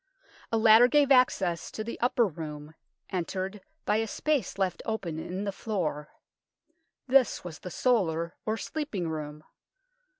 A ladder gave access to the upper room, entered by a space left open in the floor. This was the solar, or sleeping room.